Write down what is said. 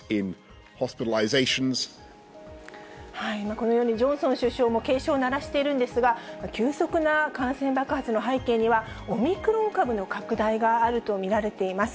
このように、ジョンソン首相も警鐘を鳴らしているんですが、急速な感染爆発の背景には、オミクロン株の拡大があると見られています。